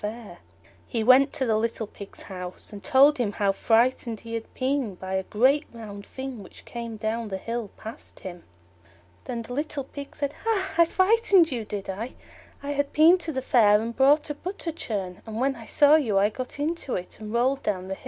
He went to the little Pig's house, and told him how frightened he had been by a great round thing which came down the hill past him. Then the little Pig said, "Hah! I frightened you, did I? I had been to the Fair and bought a butter churn, and when I saw you I got into it, and rolled down the hill."